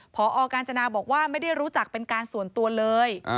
พอกาญจนาบอกว่าไม่ได้รู้จักเป็นการส่วนตัวเลย